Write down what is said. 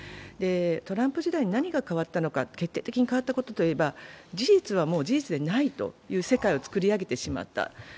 トランプ時代に何が変わったのか、決定的に変わったことといえば事実はもう事実でないという世界を作り上げてしまった。